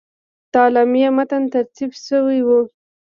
د اعلامیې متن ترتیب شوی وو.